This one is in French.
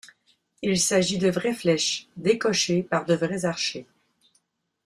Il s'agit de vraies flèches, décochées par de vrais archers.